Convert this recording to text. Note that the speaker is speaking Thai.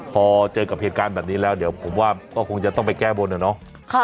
พอเจอกับเหตุการณ์แบบนี้แล้วเดี๋ยวผมว่าก็คงจะต้องไปแก้บนนะเนาะ